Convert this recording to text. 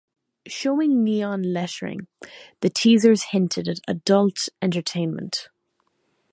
Showing neon lettering, the teasers hinted at "adult entertainment".